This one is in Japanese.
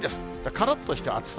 からっとした暑さ。